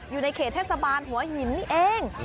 อยู่ในเขตเทศบาลหัวหินนี่เอง